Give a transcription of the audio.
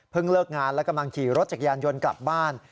เลิกงานและกำลังขี่รถจักรยานยนต์กลับบ้าน